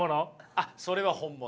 あっそれは本物です。